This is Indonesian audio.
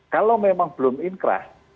kalau memang belum inkrah